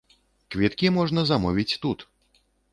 Квіткі можна замовіць тут!